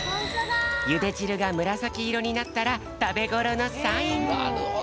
ゆでじるがむらさきいろになったらたべごろのサイン！